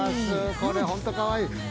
これも本当にかわいい。